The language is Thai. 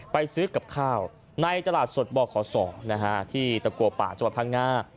ไปซื้อกับข้าวในจราชสดบ่อขอส่อที่ตะกัวป่าจักรพระง่า